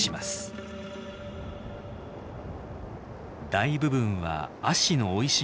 大部分は葦の生い茂る